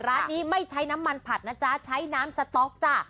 ร้านนี้ไม่ใช้น้ำมันผัดนะจ๊ะใช้น้ำสต๊อกจ้ะ